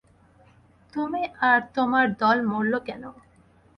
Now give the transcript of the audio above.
তুমি আর তোমার দল মরলো কেন?